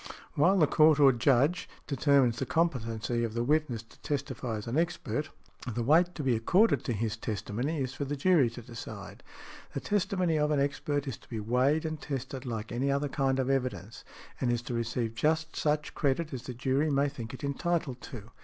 While the Court, or Judge, determines the competency of the witness to testify as an expert, the weight to be accorded to his testimony is for the jury to decide. The testimony of an expert is to be weighed and tested like any other kind of evidence, and is to receive just such credit as the jury may think it entitled to.